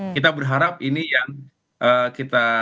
kita berharap ini yang kita